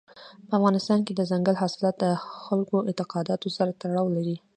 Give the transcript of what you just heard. په افغانستان کې دځنګل حاصلات د خلکو د اعتقاداتو سره تړاو لري.